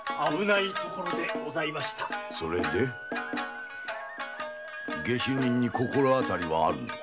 それで下手人に心当たりはあるのか？